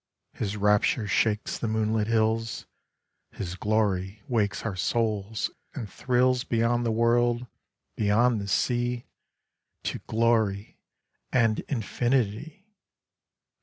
" His rapture shakes the moonlit hills. His glory wakes our souls, and thrills Beyond the world, beyond the sea. To glory and Infinity.